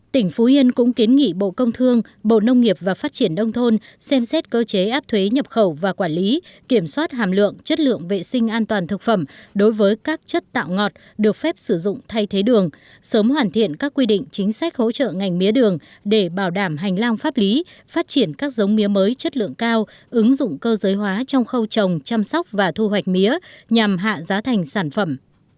tỉnh phú yên cũng kiến nghị bộ công thương bộ nông nghiệp và phát triển đông thôn xem xét cơ chế áp thuế nhập khẩu và quản lý kiểm soát hàm lượng chất lượng vệ sinh an toàn thực phẩm đối với các chất tạo ngọt được phép sử dụng thay thế đường sớm hoàn thiện các quy định chính sách hỗ trợ ngành mía đường để bảo đảm hành lang pháp lý phát triển các giống mía mới chất lượng cao ứng dụng cơ giới hóa trong khâu trồng chăm sóc và thu hoạch mía nhằm hạ giá thành sản phẩm